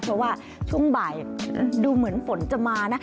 เพราะว่าช่วงบ่ายดูเหมือนฝนจะมานะ